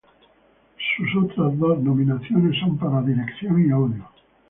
Sus otras dos nominaciones son para dirección y audio.